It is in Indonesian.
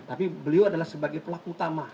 tapi beliau adalah sebagai pelaku utama